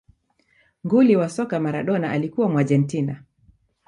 nguli wa soka maladona alikuwa muargentina